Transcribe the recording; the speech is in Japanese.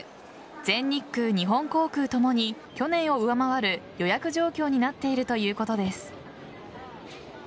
全日空、日本航空ともに去年を上回る予約状況になっているということです。